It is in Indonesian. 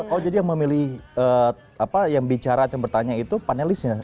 oh jadi yang memilih apa yang bicara dan bertanya itu panelis ya